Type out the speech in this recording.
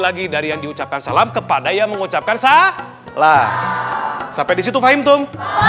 lagi dari yang diucapkan salam kepada yang mengucapkan sah lah sampai disitu fahim tum